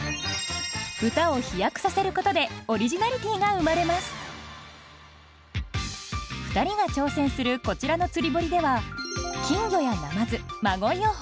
歌を飛躍させることでオリジナリティーが生まれます２人が挑戦するこちらの釣堀では金魚やナマズ真鯉を放流。